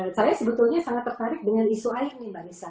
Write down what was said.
saya sebetulnya sangat tertarik dengan isu lain nih mbak nisa